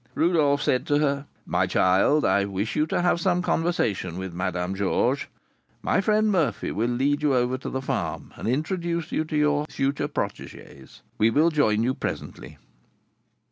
Rodolph said to her, "My child, I wish to have some conversation with Madame Georges. My friend Murphy will lead you over the farm, and introduce you to your future protégés. We will join you presently.